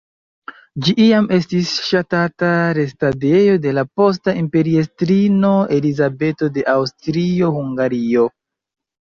Ĝi iam estis ŝatata restadejo de la posta imperiestrino Elizabeto de Aŭstrio-Hungario.